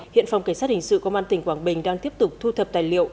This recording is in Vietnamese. hiện phòng cảnh sát hình sự công an tỉnh quảng bình đang tiếp tục thu thập tài liệu